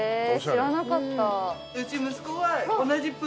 知らなかった。